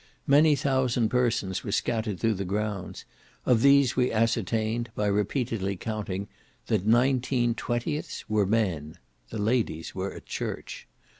Many thousand persons were scattered through the grounds; of these we ascertained, by repeatedly counting, that nineteen twentieths were men. The ladies were at church.